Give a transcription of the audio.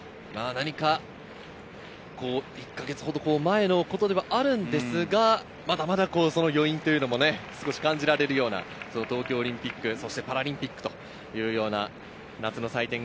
１か月ほど前のことではあるんですが、まだまだ余韻というのも少し感じられるような東京オリンピック・パラリンピックです。